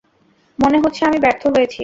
মনে হচ্ছে আমি ব্যর্থ হয়েছি।